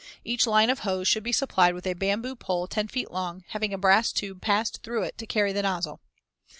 Each line of hose should be supplied with a bamboo pole 10 feet long, having a brass tube passed through it to carry the nozzle.